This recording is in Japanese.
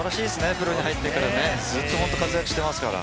プロに入ってからずっとホント活躍してますから。